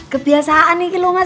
kebiasaan ini loh mas